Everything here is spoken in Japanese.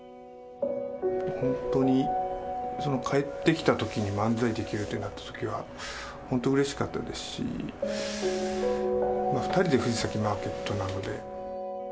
本当に、帰ってきたときに漫才できるとなったときは、本当うれしかったですし、２人で藤崎マーケットなので。